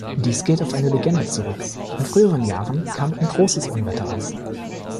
Dies geht auf eine Legende zurück: In früheren Jahren kam ein großes Unwetter auf.